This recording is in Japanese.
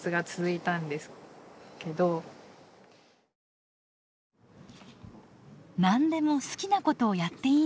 「何でも好きなことをやっていいんだよ」。